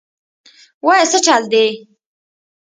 وايه سه چل دې.